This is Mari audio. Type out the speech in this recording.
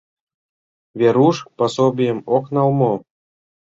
Веруш пособийым ок нал мо?